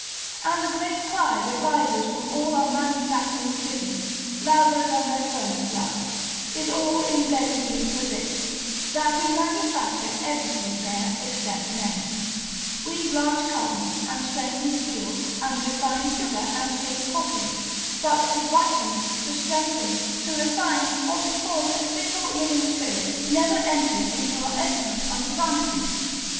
And the great cry that rises from all our manufacturing cities, louder than their furnace blast, is all in very deed for this, that we manufacture everything there except men; we blanch cotton, and strengthen steel, and refine sugar, and shape pottery; but to brighten, to strengthen, to refine, or to form a single living spirit, never enters into our estimate of advantages.